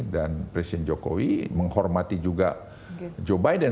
dan presiden jokowi menghormati juga joe biden